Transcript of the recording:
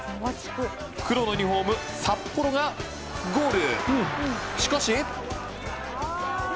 黒のユニホーム札幌がゴール。